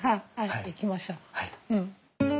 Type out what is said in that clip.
はい行きましょう。